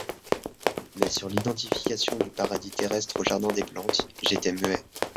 Mais sur l'identification du Paradis terrestre au Jardin des Plantes, j'étais muet.